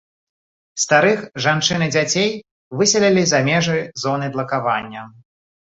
Старых, жанчын і дзяцей выселілі за межы зоны блакавання.